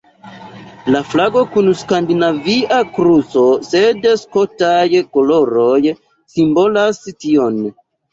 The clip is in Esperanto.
La flago kun Skandinavia kruco sed Skotaj koloroj simbolas tion.